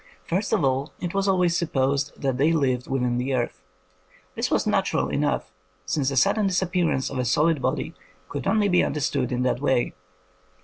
First of all it was always supposed that they lived within the earth. This was natural enough, since a sudden disappear ance of a solid body could only be under stood in that way.